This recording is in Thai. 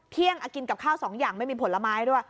เที่ยงกินกับข้าว๒อย่างไม่มีผลไม้ด้วย